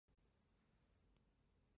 领有实县绵竹县及阴平侨县。